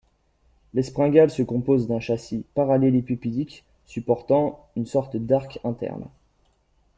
L'espringale se compose d'un châssis parallélépipédique, supportant une sorte d’arc interne.